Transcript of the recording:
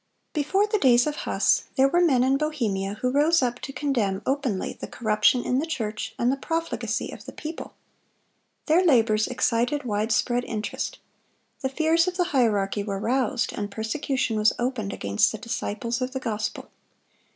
Before the days of Huss, there were men in Bohemia who rose up to condemn openly the corruption in the church and the profligacy of the people. Their labors excited widespread interest. The fears of the hierarchy were roused, and persecution was opened against the disciples of the gospel.